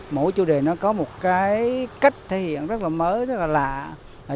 mỗi chủ đề nó có một cái cách thể hiện rất là mới rất là lạ